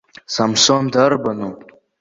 Самсон дарбану?